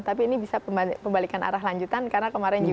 tapi ini bisa pembalikan arah lanjutan karena kemarin juga